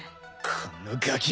このガキ！